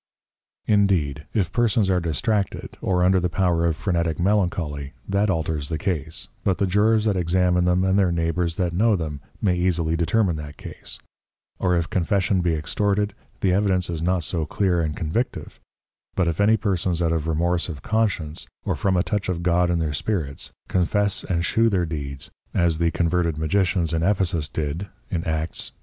_ Indeed, If Persons are Distracted, or under the Power of Phrenetick Melancholy, that alters the Case; but the Jurors that examine them, and their Neighbours that know them, may easily determine that Case; or if Confession be extorted, the Evidence is not so clear and convictive; but if any Persons out of Remorse of Conscience, or from a Touch of God in their Spirits, confess and shew their Deeds, as the Converted Magicians in Ephesus did, _Acts 19.